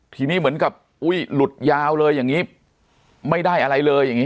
ทีนี้เหมือนกับโหยลุดยาวเลยอย่างนี้ไม่ได้อะไรเลย